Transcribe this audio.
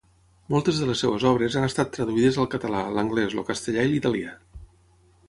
Moltes de les seves obres han estat traduïdes al català, l'anglès, el castellà i l'italià.